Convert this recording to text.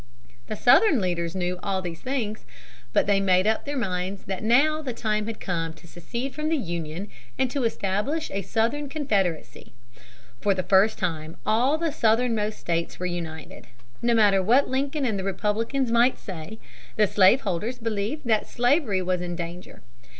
The Southern leaders knew all these things. But they made up their minds that now the time had come to secede from the Union and to establish a Southern Confederacy. For the first time all the southernmost states were united. No matter what Lincoln and the Republicans might say, the Southern slaveholders believed that slavery was in danger.